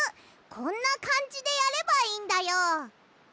こんなかんじでやればいいんだよ。